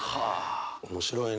面白いね。